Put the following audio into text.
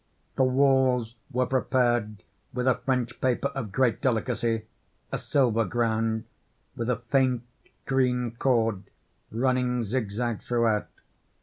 The walls were prepared with a French paper of great delicacy, a silver ground, with a faint green cord running zig zag throughout.